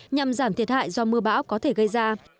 nhằm giảm thiệt hại do mưa bão có thể gây ra